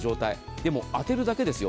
でも、当てるだけですよ